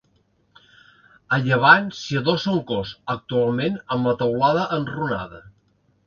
A llevant s'hi adossa un cos, actualment amb la teulada enrunada.